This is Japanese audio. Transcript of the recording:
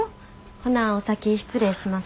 ほなお先失礼します。